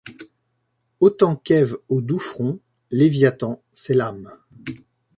Autant qu’Ève au doux front, Léviathan, c’est l’âme.